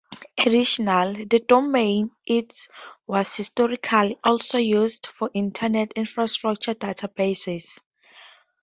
Additionally, the domain "int" was historically also used for Internet infrastructure databases.